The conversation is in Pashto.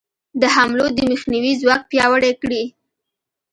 د حملو د مخنیوي ځواک پیاوړی کړي.